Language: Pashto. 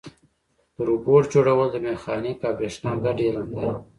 د روبوټ جوړول د میخانیک او برېښنا ګډ علم دی.